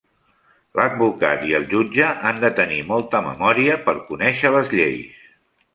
L'advocat i el jutge han de tenir molta memòria per conèixer les lleis.